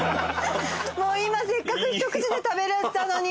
もう今せっかく一口で食べられたのに！